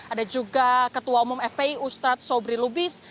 ada juga ketua umum fpi ustadz sobri lubis